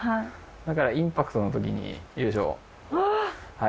だからインパクトのときによいしょ。